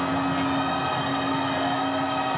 โอ้โอ้โอ้